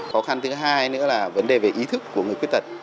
khó khăn thứ hai nữa là vấn đề về ý thức của người khuyết tật